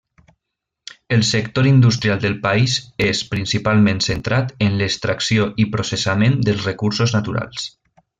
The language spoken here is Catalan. El sector industrial del país és principalment centrat en l'extracció i processament dels recursos naturals.